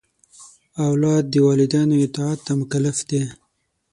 اولاد د والدینو اطاعت ته مکلف دی.